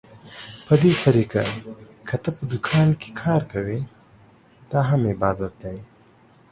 په دې طريقه که ته په دوکان کې کار کوې، دا هم عبادت دى.